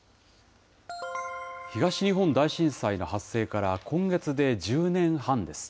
東日本大震災の発生から今月で１０年半です。